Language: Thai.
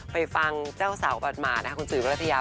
ไปฟังเจ้าสาวบาดหมากขุนสุยิวละทะยา